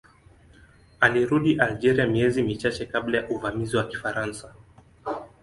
Alirudi Algeria miezi michache kabla ya uvamizi wa Kifaransa.